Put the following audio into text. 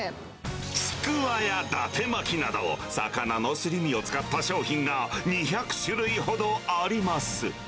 ちくわやだて巻きなど、魚のすり身を使った商品が２００種類ほどあります。